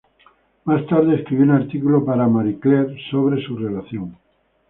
Más tarde escribió un artículo para "Marie Claire" sobre su relación.